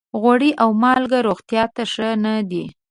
غوړي او مالګه روغتیا ته ښه نه دي.